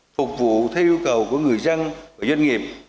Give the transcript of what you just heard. phục vụ theo yêu cầu của người dân và doanh nghiệp